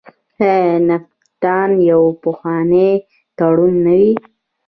آیا نفټا یو پخوانی تړون نه و؟